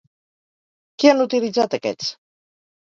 Què han utilitzat aquests?